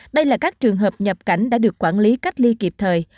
đây là các trường hợp nhập cảnh đã được quản lý cách ly kịp thời